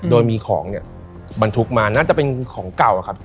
โดยมีของบันทุกมาน่าจะเป็นของเก่านะครับ